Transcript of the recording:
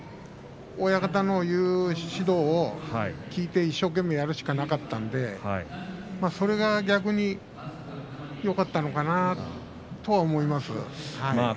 親方の言う指導を聞いて一生懸命やるしかなかったんでそれが逆によかったのかなとは思いますね。